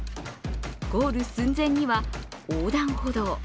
ゴール寸前には、横断歩道。